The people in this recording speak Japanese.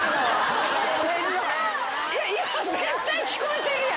いやいや絶対聞こえてるやん。